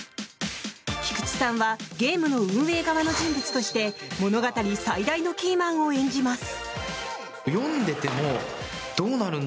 菊池さんはゲームの運営側の人物として物語最大のキーマンを演じます。